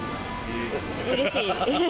うれしい。